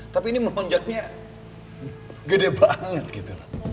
tapi ini melonjaknya gede banget gitu